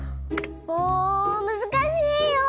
もうむずかしいよ！